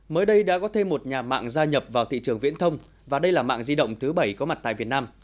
mới đây đã có thêm một nhà mạng gia nhập vào thị trường viễn thông và đây là mạng di động thứ bảy có mặt tại việt nam